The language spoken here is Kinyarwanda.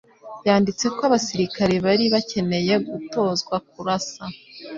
Yanditse ko abasirikare bari bakeneye gutozwa kurasa